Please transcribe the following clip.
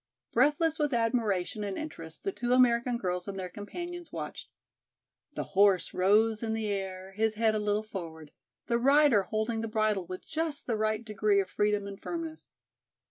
Breathless with admiration and interest the two American girls and their companions watched. The horse rose in the air, his head a little forward, the rider holding the bridle with just the right degree of freedom and firmness.